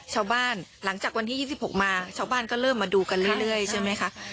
ชาวบ้านหลังจากวันที่ยี่สิบหกมาชาวบ้านก็เริ่มมาดูกันเรื่อยเรื่อยใช่ไหมคะ